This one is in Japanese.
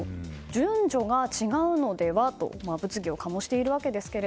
順序が違うのでは？と物議を醸しているわけですが。